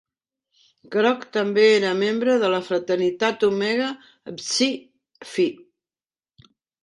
Crook també era membre de la fraternitat Omega Psi Phi.